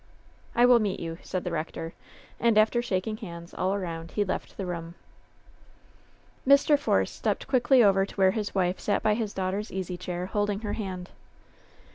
"I will meet you," said the rector. And after shaking hands all around he left the room. Mr. Force stepped quickly over to where his wife sat by his daughter's easy chair, holding her hand.